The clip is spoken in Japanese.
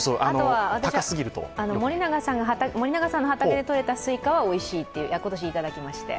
あとは森永さんの畑でとれたスイカはおいしいという、今年いただきまして。